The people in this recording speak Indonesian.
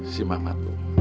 si mamat ibu